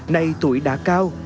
nay tuổi đã cao